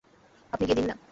আপনি গিয়ে দিন না।